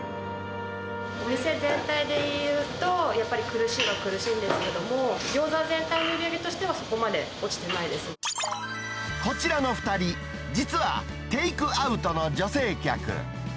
お店全体でいうと、やっぱり苦しいは苦しいんですけども、餃子全体の売り上げとしてはそここちらの２人、実は、テイクアウトの女性客。